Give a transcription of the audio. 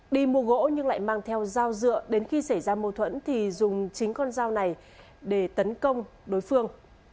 đi mua gỗ nhưng lại mang theo dao dựa đến khi xảy ra mâu thuẫn thì dùng chính con dao này để tấn công đối phương